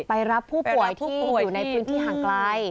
ไปรับผู้ป่วยที่ป่วยอยู่ในพื้นที่ห่างไกล